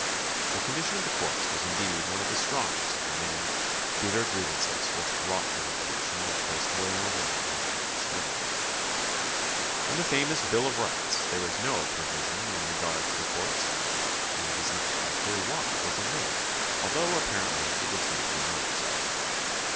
The condition of the courts was indeed one of the strongest of the many bitter griev ances which wrought the Revolution that placed William of Orange on the English thi'one. In the famous bill of rights there is no provision in regard to 72 THE CONSTITUTION AND ITS MAEERS the courts and it is not quite clear why it was omitted, although, apparently, it was due to an oversight.